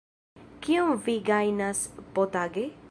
Kiom vi gajnas potage?